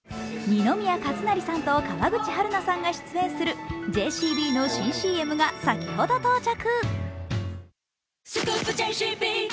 二宮和也さんと川口春奈さんが出演するＪＣＢの新ＣＭが先ほど到着。